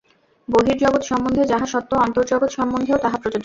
বহির্জগৎ সম্বন্ধে যাহা সত্য, অন্তর্জগৎ সম্বন্ধেও তাহা প্রযোজ্য।